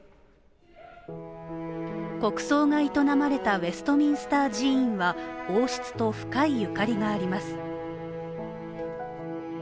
国葬が営まれたウェストミンスター寺院は王室と深いゆかりがあります。